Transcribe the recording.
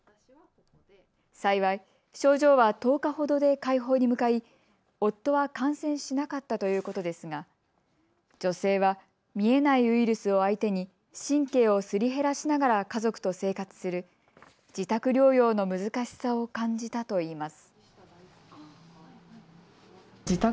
幸い、症状は１０日ほどで快方に向かい、夫は感染しなかったということですが女性は見えないウイルスを相手に神経をすり減らしながら家族と生活する自宅療養の難しさを感じたといいます。